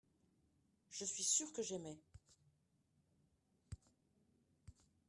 je suis sûr que j'aimai.